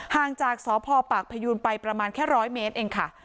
ห่างจากสพปากพยูนไปประมาณแค่๑๐๐เมตรเองค่ะ